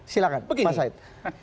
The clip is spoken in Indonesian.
silahkan pak said